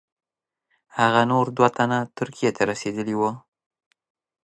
هغه نور دوه تنه ترکیې ته رسېدلي وه.